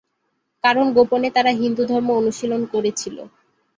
কারণ গোপনে তারা হিন্দুধর্ম অনুশীলন করেছিল।